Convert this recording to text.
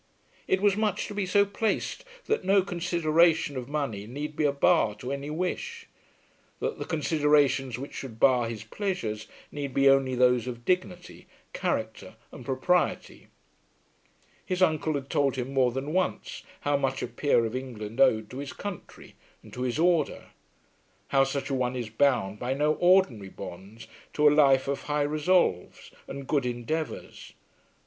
It was much to be so placed that no consideration of money need be a bar to any wish, that the considerations which should bar his pleasures need be only those of dignity, character, and propriety. His uncle had told him more than once how much a peer of England owed to his country and to his order; how such a one is bound by no ordinary bonds to a life of high resolves, and good endeavours.